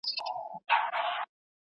موږ باید د نورو سره سیالي وکړو.